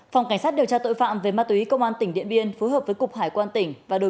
phòng cảnh sát điều tra tội phạm về ma túy công an tỉnh điện biên phối hợp với cục hải quan tỉnh và đồn